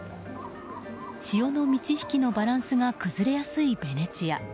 潮の満ち引きのバランスが崩れやすいベネチア。